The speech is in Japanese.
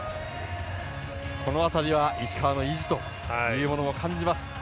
この辺り石川の意地というものを感じます。